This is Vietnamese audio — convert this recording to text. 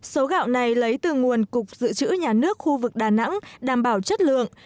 số gạo này lấy từ nguồn cục dự trữ nhà nước khu vực đà nẵng đảm bảo chất lượng